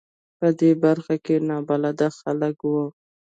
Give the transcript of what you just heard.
په دې برخه کې نابلده خلک و.